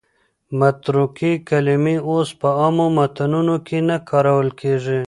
متروکې کلمې اوس په عامو متنونو کې نه کارول کېږي.